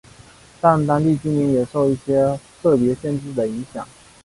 但当地居民也受一些特别限制的影响。